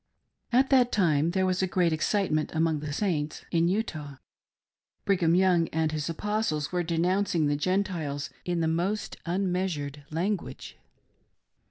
At that time there was great excitement among the Saints SAINTS, AND THEIR SACRIFICE. 1 57 in Utah. Brigham Young and his Apostles were denouncing the Gentiles in the most unmeasured language.